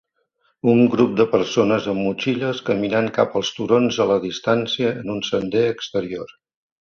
Un grup de persones amb motxilles caminant cap als turons a la distància en un sender exterior.